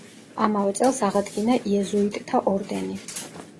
ამავე წელს აღადგინა იეზუიტთა ორდენი.